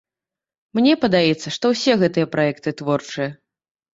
Мне падаецца, што ўсе гэтыя праекты творчыя.